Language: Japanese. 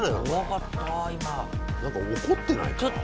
何か怒ってないか？